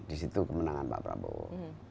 di situ kemenangan pak prabowo